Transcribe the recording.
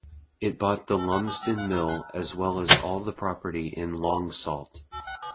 It bought the Lumsden Mill as well as all the property in Long Sault.